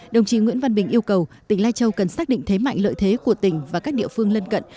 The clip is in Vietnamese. đồng chí nguyễn văn bình yêu cầu tỉnh lai châu cần xác định thế mạnh lợi thế của tỉnh và các địa phương lân cận